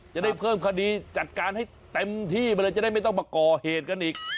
จะได้เพิ่มคดีจัดการให้เต็มที่ไปเลยจะได้ไม่ต้องมาก่อเหตุกันอีก